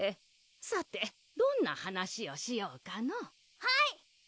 さてどんな話をしようかのはい！